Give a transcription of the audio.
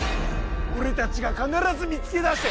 俺たちが必ず見つけ出して。